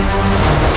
aku akan menangkapmu